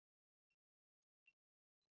লোকটি ডেকে বলল, কাফেলা কোথা থেকে এল।